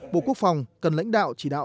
bộ quốc phòng cần lãnh đạo chỉ đạo